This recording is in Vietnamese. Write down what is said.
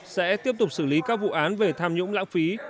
sẽ tiếp tục xử lý các vụ án về tham nhũng lãng phí